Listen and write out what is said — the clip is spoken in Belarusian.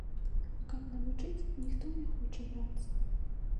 А каб навучыць, ніхто не хоча брацца.